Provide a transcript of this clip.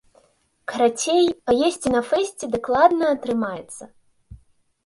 Карацей, паесці на фэсце дакладна атрымаецца.